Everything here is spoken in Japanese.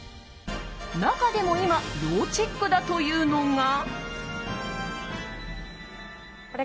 中でも今、要チェックだというのが。